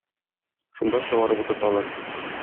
Шунда чыгарып утырталар.